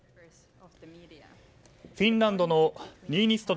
フィンランドのニーニスト